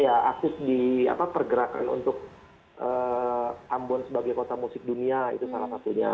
iya aktif di pergerakan untuk ambon sebagai kota musik dunia itu salah satunya